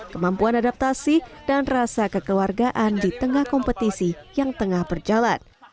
kemampuan adaptasi dan rasa kekeluargaan di tengah kompetisi yang tengah berjalan